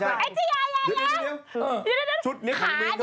ชุดน้องมีนมาใส่ข่ายโฆษณาชุดนี่ค่ะเหมือนมีนใส่